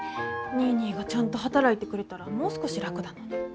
ニーニーがちゃんと働いてくれたらもう少し楽なのに。